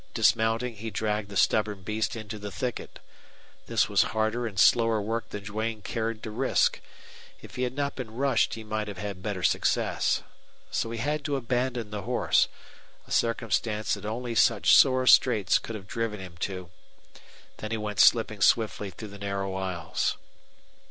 Dismounting, he dragged the stubborn beast into the thicket. This was harder and slower work than Duane cared to risk. If he had not been rushed he might have had better success. So he had to abandon the horse a circumstance that only such sore straits could have driven him to. Then he went slipping swiftly through the narrow aisles.